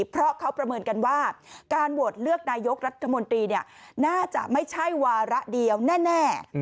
เพราะเขาประเมินกันว่าการโหวตเลือกนายกรัฐมนตรีน่าจะไม่ใช่วาระเดียวแน่